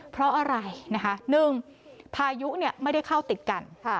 เพราะอะไรนะคะ๑พายุไม่ได้เข้าติดกัน